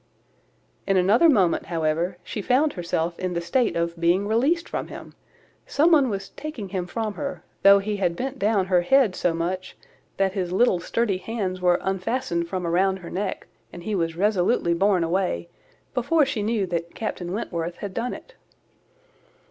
In another moment, however, she found herself in the state of being released from him; some one was taking him from her, though he had bent down her head so much, that his little sturdy hands were unfastened from around her neck, and he was resolutely borne away, before she knew that Captain Wentworth had done it.